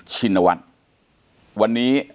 ชินวัฒน์วันนี้